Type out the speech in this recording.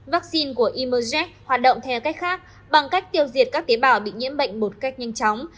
vaccine của imojet hoạt động theo cách khác bằng cách tiêu diệt các tế bào bị nhiễm bệnh một cách nhanh chóng